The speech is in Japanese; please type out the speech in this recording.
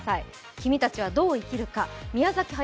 「君たちはどう生きるか」、宮崎駿